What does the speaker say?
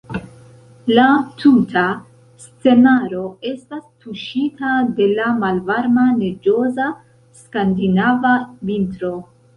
La tuta scenaro estas tuŝita de la malvarma neĝoza skandinava vintro.